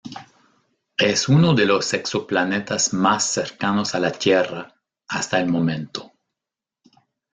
Es uno de los exoplanetas más cercanos a la tierra hasta el momento.